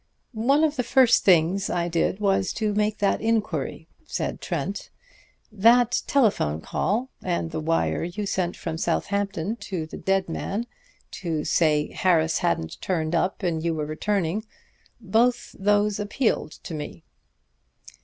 "One of the first things I did was to make that inquiry," said Trent. "That telephone call, and the wire you sent from Southampton to the dead man, to say Harris hadn't turned up and you were returning both those appealed to me."